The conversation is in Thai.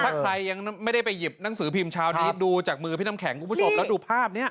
ถ้าใครยังไม่ได้ไปหยิบหนังสือพิมพ์เช้านี้ดูจากมือพี่น้ำแข็งคุณผู้ชมแล้วดูภาพนี้